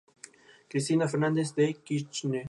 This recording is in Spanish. Cristina Fernández de Kirchner.